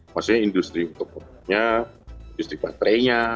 maksudnya industri untuknya industri baterainya